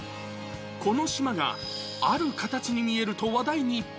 この島がある形に見えると話題に。